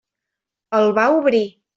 El va obrir.